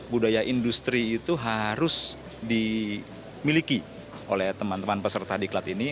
budaya industri itu harus dimiliki oleh teman teman peserta diklat ini